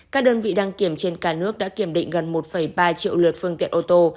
các đơn vị đăng kiểm trên cả nước đã kiểm định gần một ba triệu lượt phương tiện ô tô